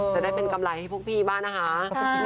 จะได้เป็นกำไรให้พวกพี่บ้างนะคะ